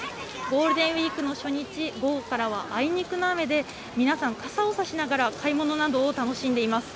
ゴールデンウィークの初日、午後からはあいにくの雨で皆さん、傘を差しながら、買い物などを楽しんでいます。